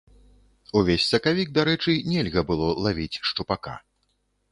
Увесь сакавік, дарэчы, нельга было лавіць шчупака.